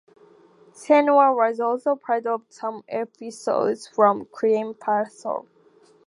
Sneha was also part of some episodes from Crime Patrol.